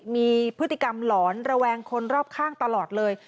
มีพฤติกรรมหลอนระแวงคนรอบข้างตลอดเลย